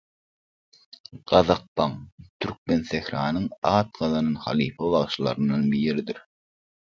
Gazak paň Türkmensähranyň at gazanan halypa bagşylaryndan biridir